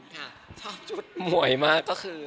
ชอบชุดมวยมากก็คือ